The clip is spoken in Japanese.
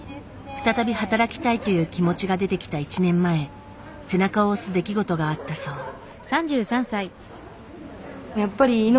再び働きたいという気持ちが出てきた１年前背中を押す出来事があったそう。